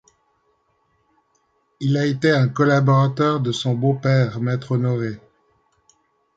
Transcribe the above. Il a été un collaborateur de son beau-père Maître Honoré.